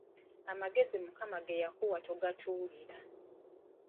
Amagezi Mukama ge yakuwa togatuulira.